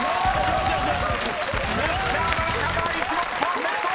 ［プレッシャーの中第１問パーフェクト！